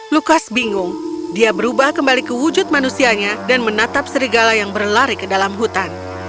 lukas bingung dia berubah kembali ke wujud manusianya dan menatap serigala yang berlari ke dalam hutan